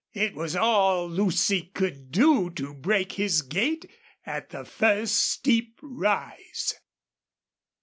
It was all Lucy could do to break his gait at the first steep rise.